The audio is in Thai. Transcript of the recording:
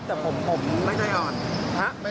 พอที่ก่อนโอทำคอนเตนต์เขาอะไร